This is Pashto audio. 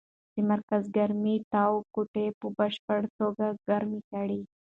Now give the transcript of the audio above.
د مرکز ګرمۍ تاو کوټه په بشپړه توګه ګرمه کړه.